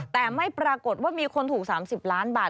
แต่ไม่ปรากฏว่ามีคนถูก๓๐ล้านบาท